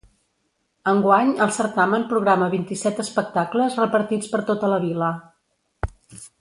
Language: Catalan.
Enguany el certamen programa vint-i-set espectacles repartits per tota la vila.